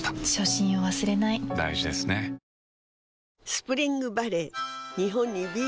スプリングバレー